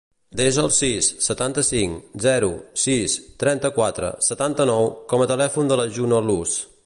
Desa el sis, setanta-cinc, zero, sis, trenta-quatre, setanta-nou com a telèfon de la Juno Luz.